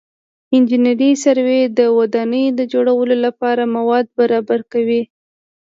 انجنیري سروې د ودانیو د جوړولو لپاره مواد برابر کوي